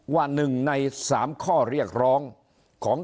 ว่าหนึ่งในสามข้อเรียกร้อง